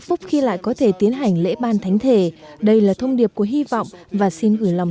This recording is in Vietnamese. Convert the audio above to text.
phúc khi lại có thể tiến hành lễ ban thánh thể đây là thông điệp của hy vọng và xin gửi lòng